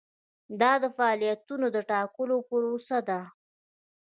دا د فعالیتونو د ټاکلو پروسه ده.